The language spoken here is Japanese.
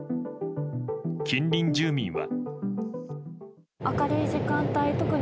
近隣住民は。